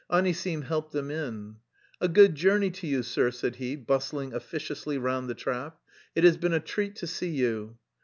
Anisim helped them in. "A good journey to you, sir," said he, bustling officiously round the trap, "it has been a treat to see you."